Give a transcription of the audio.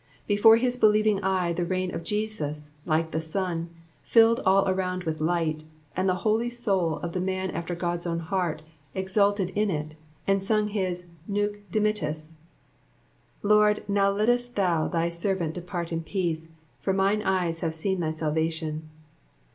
Before his believing eye the reign of Jesus, like the sun, filled all around wiih light, and the holy soul of the man after God's own heart exulted in it, and sung his Nunc dimittis :"Lord, now lettest thou thy servant depart in peace, for mine eyes have seen thy salvation